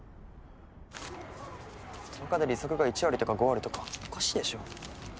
１０日で利息が１割とか５割とかおかしいでしょ。